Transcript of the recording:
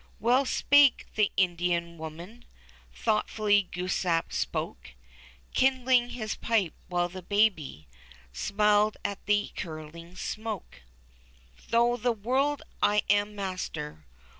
^^Well spake the Indian woman,'' Thoughtfully Glooskap spoke. Kindling his pipe, while the Baby Smiled at the curling smoke ; Though of the world I am master.